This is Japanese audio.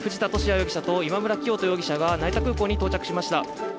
容疑者と今村磨人容疑者が成田空港に到着しました。